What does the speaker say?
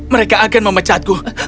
mereka akan memecatku